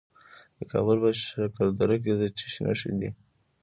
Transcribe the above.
د کابل په شکردره کې د څه شي نښې دي؟